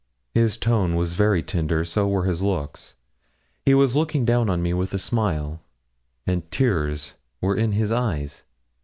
His tone was very tender, so were his looks; he was looking down on me with a smile, and tears were in his eyes.